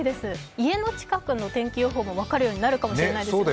家の近くの天気保養も分かるようになるかもしれないですね。